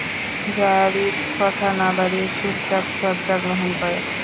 যারীদ কথা না বাড়িয়ে চুপচাপ শয্যা গ্রহণ করে।